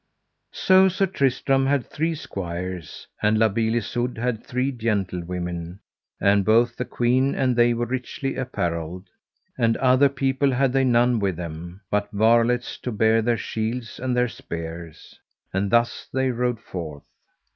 So Sir Tristram had three squires, and La Beale Isoud had three gentlewomen, and both the queen and they were richly apparelled; and other people had they none with them, but varlets to bear their shields and their spears. And thus they rode forth.